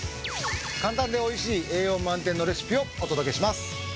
簡単で美味しい栄養満点のレシピをお届けします。